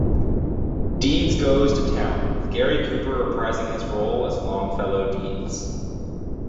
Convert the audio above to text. Deeds Goes to Town, with Gary Cooper reprising his role as Longfellow Deeds.